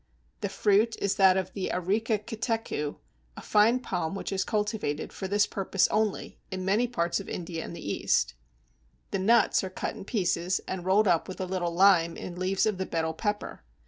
The fruit is that of Areca Catechu, a fine palm which is cultivated, for this purpose only, in many parts of India and the East. The nuts are cut in pieces and rolled up with a little lime in leaves of the Betel pepper.